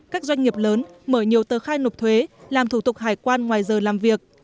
các doanh nghiệp lớn mở nhiều tờ khai nộp thuế làm thủ tục hải quan ngoài giờ làm việc